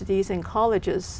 từ khu vực tổ chức